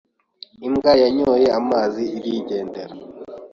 Imbwa yanyoye amazi arigendera.